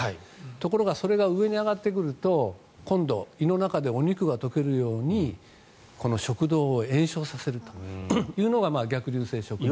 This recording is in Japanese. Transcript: ところがそれが上に上がってくると今度、胃の中でお肉が溶けるように食道を炎症させるというのが逆流性食道炎。